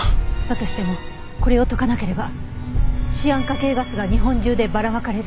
だとしてもこれを解かなければシアン化系ガスが日本中でばらまかれる。